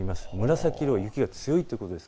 紫色は雪が強い所です。